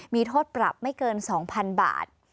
มีโทษปรับไม่เกิน๒๐๐๐บาท